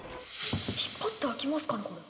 引っ張って開きますかねこれ。